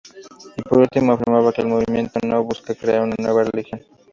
Y por último, afirmaba que el movimiento no busca crear una nueva religión.